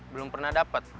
belum pernah dapet